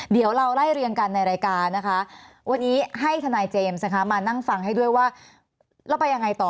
เดี๋ยวเราไล่เรียงกันในรายการนะคะวันนี้ให้ทนายเจมส์นะคะมานั่งฟังให้ด้วยว่าแล้วไปยังไงต่อ